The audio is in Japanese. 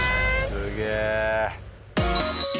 すげえ。